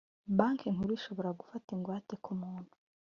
Banki Nkuru ishobora gufata ingwate kumuntu